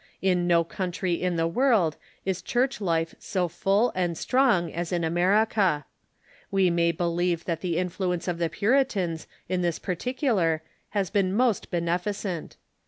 In no country in the world is Church life so full and strong as in America. AYe may believe that the influence of the Puritans in tliis particular has been most beneficent.